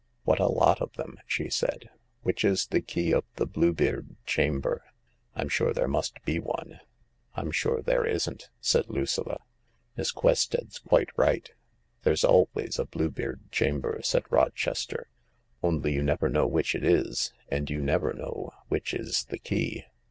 " What a lot of them I " she said. " Which is the key of the Blue beard chamber ? I'm sure there must be one." " I'm sure there isn't," said Lucilla. "Miss Quested's quite right. There's always a Blue beard chamber," said Rochester ;only you never know which it is — and you never know which is the fey."